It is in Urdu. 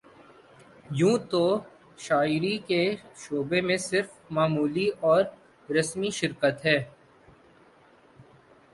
یوں تو شاعری کے شعبے میں صرف معمولی اور رسمی شرکت ہے